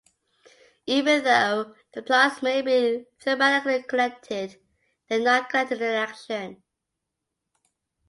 Even though the plots may be thematically connected, they are not connected in action.